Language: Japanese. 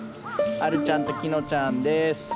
あるちゃんときのちゃんです。